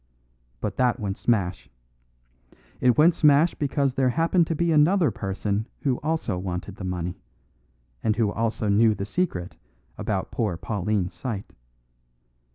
"But that went smash. It went smash because there happened to be another person who also wanted the money, and who also knew the secret about poor Pauline's sight.